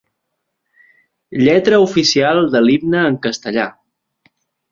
Lletra oficial de l'himne en castellà.